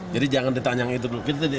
jadi jangan ditanyakan itu dulu